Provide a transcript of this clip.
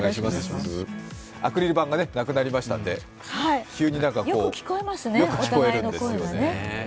アクリル板がなくなりましたので急によく聞こえるんですよ。